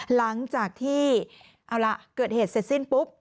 หลังจากที่เอาล่ะเกิดเหตุเสร็จสิ้นปุ๊บ